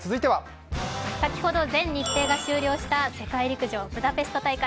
先ほど全日程が終了した世界陸上ブダペスト大会。